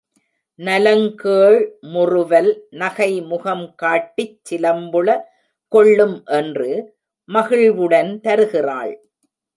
நலங்கேழ்முறுவல் நகைமுகம் காட்டிச் சிலம்புள கொள்ளும் என்று மகிழ்வுடன் தருகிறாள்.